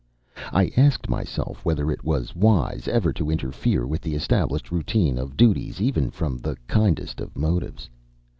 I asked myself whether it was wise ever to interfere with the established routine of duties even from the kindest of motives.